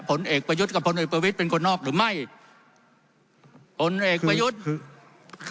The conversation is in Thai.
ผลเอกประยุทธ์กับพลเอกประวิทย์เป็นคนนอกหรือไม่ผลเอกประยุทธ์